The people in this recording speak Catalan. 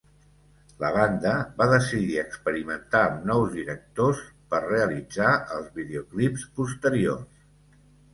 La banda va decidir experimentar amb nous directors per realitzar els videoclips posteriors.